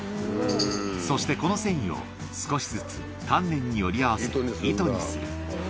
そして、この繊維を少しずつ丹念により合わせ、糸にする。